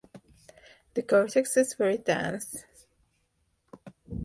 The cortex is very dense.